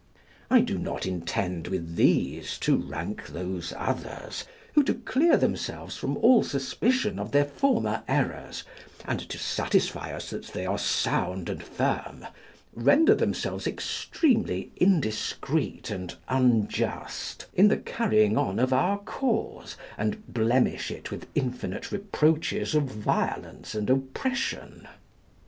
I do not intend with these to rank those others, who to clear themselves from all suspicion of their former errors and to satisfy us that they are sound and firm, render themselves extremely indiscreet and unjust, in the carrying on our cause, and blemish it with infinite reproaches of violence and oppression.